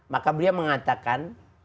maka beliau mengatakan